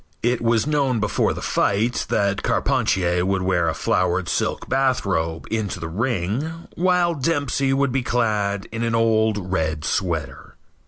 It was known before the fight that Carpentier would wear a flowered silk bathrobe into the ring, while Dempsey would be clad in an old red sweater.